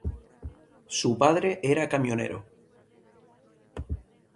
Su padre era camionero.